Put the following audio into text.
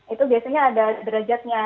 itu biasanya ada derajatnya